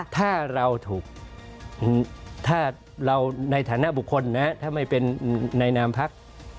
ถ้าเราถูกถ้าเราในฐานะบุคคลนะถ้าไม่เป็นในนามพัก